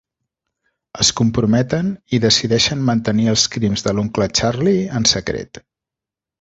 Es comprometen, i decideixen mantenir els crims de l'oncle Charlie en secret.